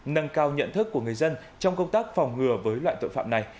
nâng cao nhận thức của người dân trong công tác phòng ngừa với loại tội phạm này